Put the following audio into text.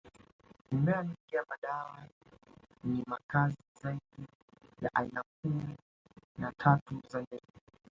Mimea mingi ya madawa ni makazi zaidi ya aina kumi na tatu za ndege